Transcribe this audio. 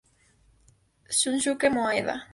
Shunsuke Maeda